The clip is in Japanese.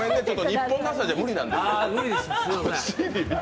日本の朝じゃ無理なんですよ。